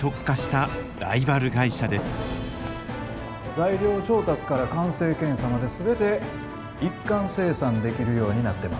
材料調達から完成検査まで全て一貫生産できるようになってますんで。